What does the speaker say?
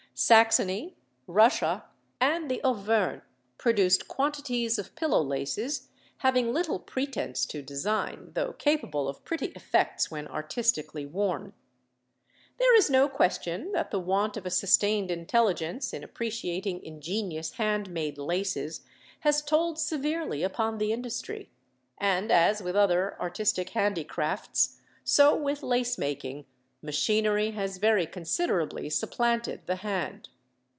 Saxony, Russia, and the Auvergne produce quantities of pillow laces, having little pretence to design, though capable of pretty effects when artistically worn. There is no question that the want of a sustained intelligence in appreciating ingenious hand made laces has told severely upon the industry; and as with other artistic handicrafts, so with lace making, machinery has very considerably supplanted the hand.